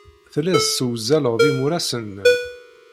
Telliḍ tessewzaleḍ imuras-nnem.